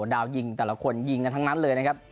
ดาวยิงแต่ละคนยิงกันทั้งนั้นเลยนะครับ